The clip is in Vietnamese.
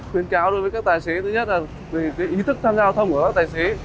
khuyến cáo đối với các tài xế thứ nhất là về ý thức tham gia giao thông của các tài xế